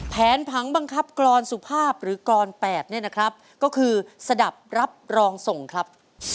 ผังบังคับกรอนสุภาพหรือกรอน๘เนี่ยนะครับก็คือสะดับรับรองส่งครับ